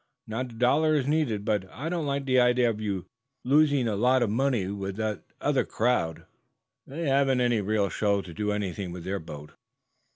Not a dollar is needed, but I don't like the idea of your losing a lot of money with that other crowd. They haven't any real show to do anything with their boat."